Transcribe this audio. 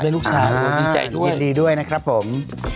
ดีดีด้วยนะครับผม